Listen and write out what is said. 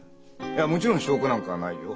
いやもちろん証拠なんかはないよ。